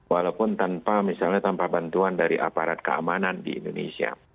walaupun tanpa misalnya tanpa bantuan dari aparat keamanan di indonesia